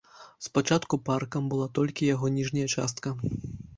Спачатку паркам была толькі яго ніжняя частка.